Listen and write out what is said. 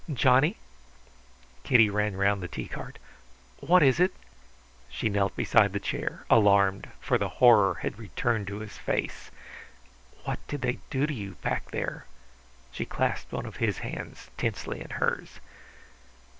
"Johnny?" Kitty ran round the tea cart. "What is it?" She knelt beside the chair, alarmed, for the horror had returned to his face. "What did they do to you back there?" She clasped one of his hands tensely in hers.